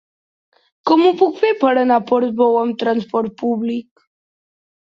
Com ho puc fer per anar a Portbou amb trasport públic?